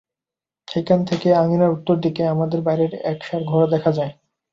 সেইখান থেকে আঙিনার উত্তর দিকে আমাদের বাইরের এক-সার ঘর দেখা যায়।